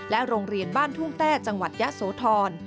โรงเรียนบ้านทุ่งแต้จังหวัดยะโสธร